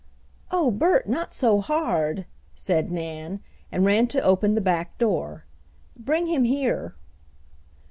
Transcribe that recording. "Oh, Bert, not so hard!" said Nan, and ran to open the back door. "Bring him here."